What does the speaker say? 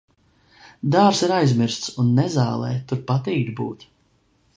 Dārzs ir aizmirsts un nezālei tur patīk būt.